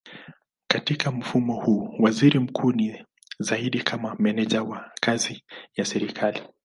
Katika mfumo huu waziri mkuu ni zaidi kama meneja wa kazi ya serikali.